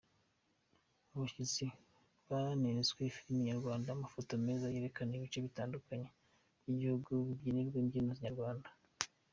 Abashyitsi baneretswe filimi nyarwanda, amafoto meza yerekana ibice bitandukanye by’igihugu, babyinirwa imbyino nyarwanda.